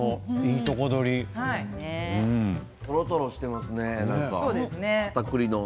とろとろしてますねかたくりの。